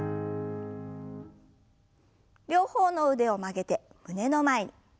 両方の腕を曲げて胸の前に。